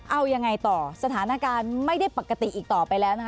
เอายังไงต่อสถานการณ์ไม่ได้ปกติอีกต่อไปแล้วนะคะ